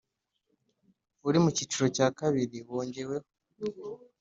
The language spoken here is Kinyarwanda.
uri mu cyiciro cya kabiri wongeweho